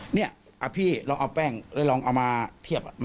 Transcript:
นี่พี่ลองเอาแป้งแล้วลองเอามาเทียบ